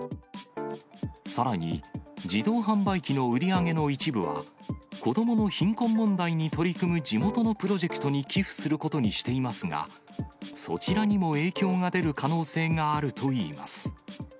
さらに、自動販売機の売り上げの一部は、子どもの貧困問題に取り組む地元のプロジェクトに寄付することにしていますが、そちらにも影響が出る可能性があるといいます。